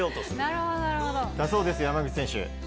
だそうです山口選手。